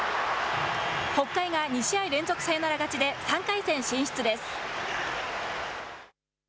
北海が２試合連続サヨナラ勝ちで３回戦進出です。